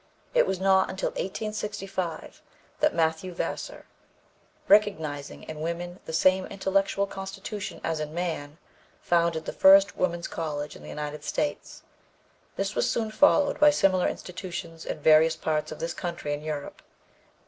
'" It was not until 1865 that Matthew Vassar, "recognizing in women the same intellectual constitution as in man," founded the first woman's college in the United States. This was soon followed by similar institutions in various parts of this country and Europe.